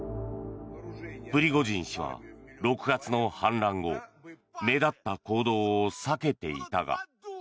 プリゴジン氏は６月の反乱後目立った行動を避けていたが。